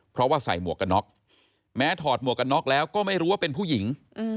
เพราะว่าใส่หมวกกันน็อกแม้ถอดหมวกกันน็อกแล้วก็ไม่รู้ว่าเป็นผู้หญิง